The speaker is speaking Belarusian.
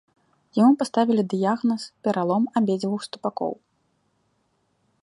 Яму паставілі дыягназ пералом абедзвюх ступакоў.